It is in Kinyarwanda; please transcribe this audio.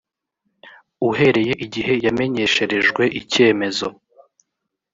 uhereye igihe yamenyesherejwe icyemezo